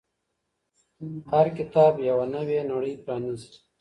هر کتاب یوه نوې نړۍ پرانیزي.